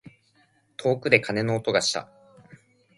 遠くで鐘の音がした。